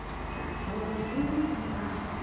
その理由に迫ります。